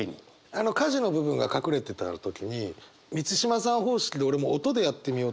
あの「火事」の部分が隠れてた時に満島さん方式で俺も音でやってみようと思って。